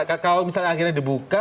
kalau misalnya akhirnya dibuka